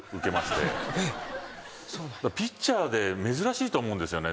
ピッチャーで珍しいと思うんですよね